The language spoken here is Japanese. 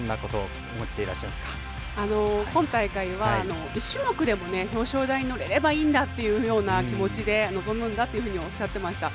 本大会は１種目でも表彰台に乗れればいいんだっていうような気持ちで臨むんだっていうふうにおっしゃってました。